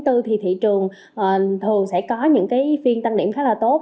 thì thị trường thường sẽ có những cái phiên tăng điểm khá là tốt